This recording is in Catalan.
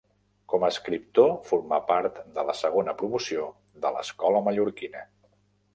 Com a escriptor formà part de la segona promoció de l'Escola Mallorquina.